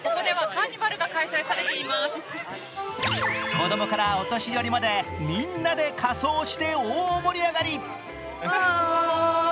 子供からお年寄りまでみんなで仮装して大盛り上がり。